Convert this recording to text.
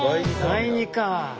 第２か。